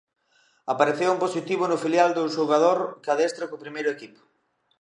Apareceu un positivo no filial dun xogador que adestra co primeiro equipo.